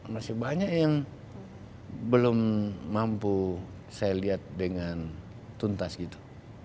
masih banyak yang belum mampu saya lihat dengan tuntas gitu